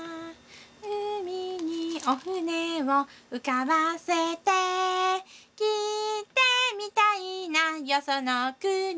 「うみにおふねをうかばせて」「いってみたいなよそのくに」